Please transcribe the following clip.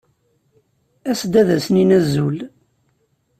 As-d ad asen-nini azul.